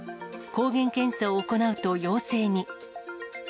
抗原検査を行うと陽性に。